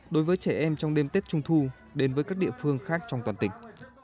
đối với trẻ em trong đêm tết trung thu đến với các địa phương khác trong toàn tỉnh